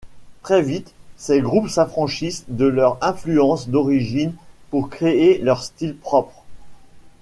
Très vite, ces groupes s'affranchissent de leurs influences d'origine pour créer leur style propre.